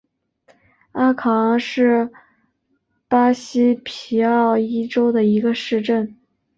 阿考昂是巴西皮奥伊州的一个市镇。